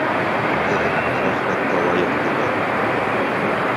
Һеҙ рәхмәткә лайыҡ түгел